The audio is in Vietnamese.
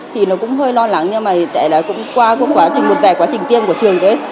thì nó cũng hơi lo lắng nhưng mà hiện tại là cũng qua quá trình một vài quá trình tiêm của trường đấy